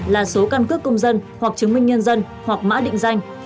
là số căn cước công dân hoặc chứng minh nhân dân hoặc mã định danh